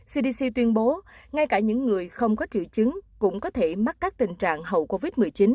cdc tuyên bố ngay cả những người không có triệu chứng cũng có thể mắc các tình trạng hậu covid một mươi chín